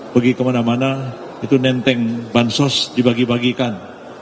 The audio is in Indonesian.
pergi kemana mana itu nenteng bansos dibagi bagikan